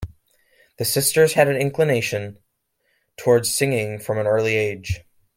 The sisters had an inclination towards singing from an early age.